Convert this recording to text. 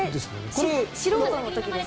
これ素人の時です。